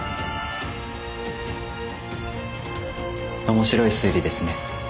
面白い推理ですね。